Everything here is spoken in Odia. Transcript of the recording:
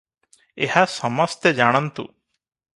ଏହା ସମସ୍ତେ ଜାଣନ୍ତୁ ।